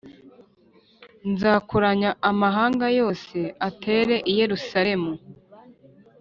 Nzakoranya amahanga yose atere i yerusalemu